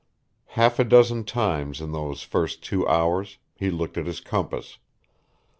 Half a dozen times in those first two hours he looked at his compass.